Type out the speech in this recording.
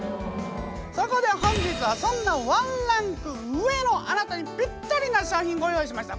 そこで本日はそんなワンランク上のあなたにぴったりな商品ご用意しました。